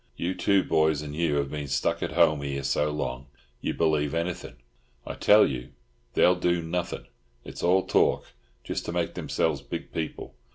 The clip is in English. You two boys and Hugh have been stuck at home here so long, you believe anything. I tell you, they'll do nothing. It's all talk, just to make themselves big people.